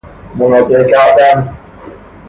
منازعه کردن